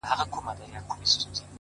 هره ورځ د بدلون فرصت دی